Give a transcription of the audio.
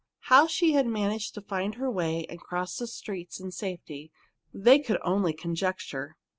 How she had managed to find her way and cross the streets in safety, they could only conjecture.